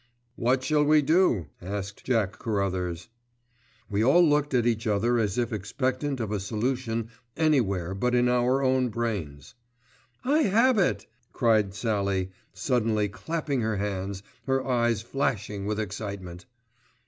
"What shall we do?" asked Jack Carruthers. We all looked at each other as if expectant of a solution anywhere but in our own brains. "I have it!" cried Sallie suddenly clapping her hands, her eyes flashing with excitement.